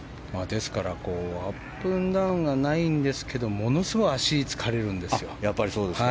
ですからアップダウンはないんですけどものすごい足が疲れるんですよ。